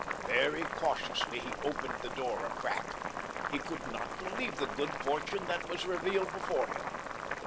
Very cautiously he opened the door a crack. He could not believe the good fortune that was revealed before him.